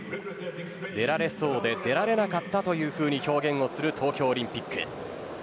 出られそうで出られなかったというふうに表現をする東京オリンピック。